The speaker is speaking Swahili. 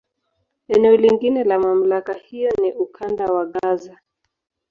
Eneo lingine la MamlakA hiyo ni Ukanda wa Gaza.